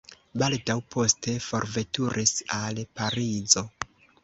Baldaŭ poste forveturis al Parizo.